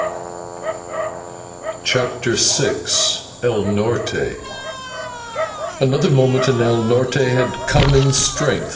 CHAPTER VI "EL NORTE" Another moment and /el Norte/ had come in strength.